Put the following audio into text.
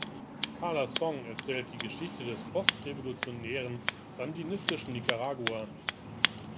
Carla’s Song erzählt die Geschichte des post-revolutionären sandinistischen Nicaragua.